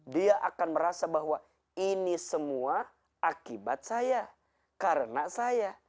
dia akan merasa bahwa ini semua akibat saya karena saya